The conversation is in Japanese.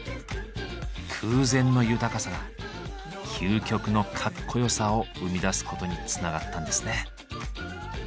空前の豊かさが究極のかっこよさを生み出すことにつながったんですね。